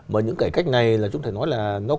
mà những cải cách này là chúng ta nói là nó